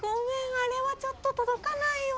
あれはちょっととどかないよ。